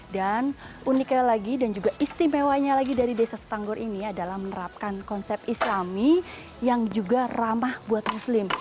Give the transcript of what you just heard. uniknya lagi dan juga istimewanya lagi dari desa setanggor ini adalah menerapkan konsep islami yang juga ramah buat muslim